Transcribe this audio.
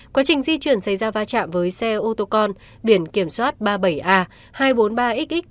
quá trình di chuyển xảy ra va chạm với xe ô tô con biển kiểm soát ba mươi bảy a hai trăm bốn mươi ba xx